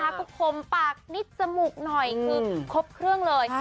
ก็คมปากนิดจมูกหน่อยคือครบเครื่องเลย